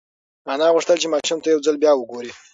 انا غوښتل چې ماشوم ته یو ځل بیا وگوري.